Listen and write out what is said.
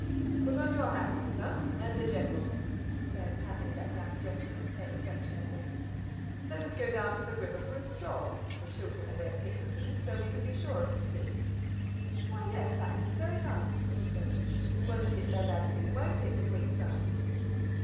"Put on your hat, Esther, and the General's," he said, patting that young gentleman's head affectionately. "Let us go down to the river for a stroll; the children are down there picnicking, so we can be sure of some tea." "Why, yes, that will be very nice," she said, "won't it Bababsie, won't it, sweet son?"